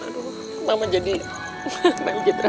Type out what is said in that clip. aduh mama jadi memiliki terharu